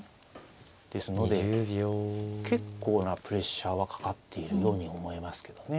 ですので結構なプレッシャーはかかっているように思えますけどね。